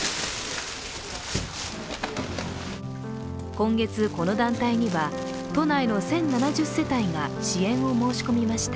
今月、この団体には都内の１０７０世帯が支援を申し込みました。